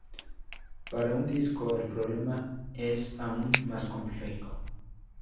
Para un "disco" el problema es aún más complejo.